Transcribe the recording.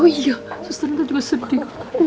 oh iya suster itu juga sedih